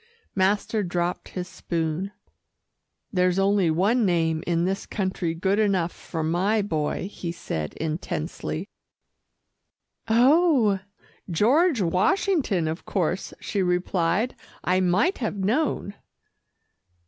Master dropped his spoon. "There's only one name in this country good enough for my boy," he said intensely. "Oh! George Washington, of course," she replied. "I might have known."